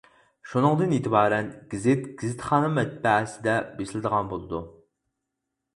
شۇنىڭدىن ئېتىبارەن گېزىت گېزىتخانا مەتبەئەسىدە بېسىلىدىغان بولىدۇ.